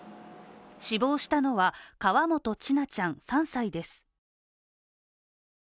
死亡したのは、川本千奈ちゃん３歳です。